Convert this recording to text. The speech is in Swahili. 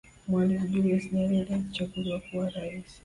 mwalimu julius yerere alichaguliwa kuwa raisi